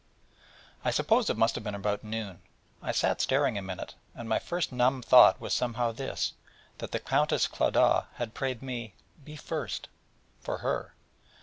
I suppose it must have been about noon. I sat staring a minute, and my first numb thought was somehow this: that the Countess Clodagh had prayed me 'Be first' for her.